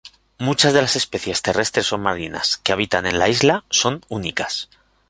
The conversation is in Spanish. Muchas de las especies terrestres o marinas que habitan en la isla son únicas.